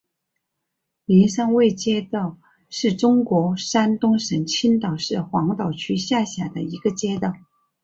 灵山卫街道是中国山东省青岛市黄岛区下辖的一个街道。